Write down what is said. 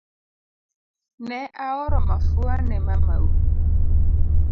Ne aoro mafua ne mamau